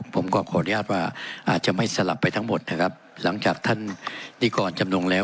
ผมก็ขออนุญาตว่าอาจจะไม่สลับไปทั้งหมดนะครับหลังจากท่านนิกรจำนงแล้ว